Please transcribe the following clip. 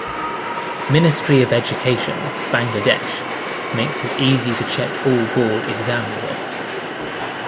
Ministry of Education, Bangladesh makes it easy to check all Board exam results.